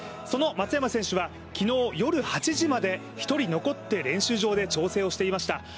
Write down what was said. その松山選手は昨日夜８時まで練習場で調整をしていました。